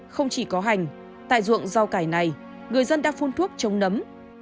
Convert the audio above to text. không chỉ có hành tại ruộng rau cải này người dân đã phun thuốc chống nấm